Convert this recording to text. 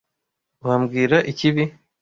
Wambwira ikibi?